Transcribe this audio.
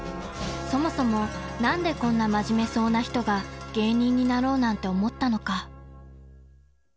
［そもそも何でこんな真面目そうな人が芸人になろうなんて思ったのか］